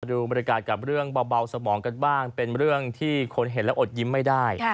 ดูบรรยากาศกับเรื่องเบาสมองกันบ้างเป็นเรื่องที่คนเห็นแล้วอดยิ้มไม่ได้